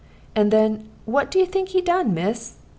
And then, what do you think he done, miss?